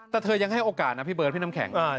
แต่เธอยังให้โอกาสนะพี่เบิร์ดพี่น้ำแข็ง